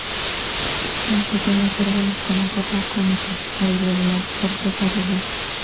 Son pequeños árboles con la copa cónica o irregular, corteza rugosa.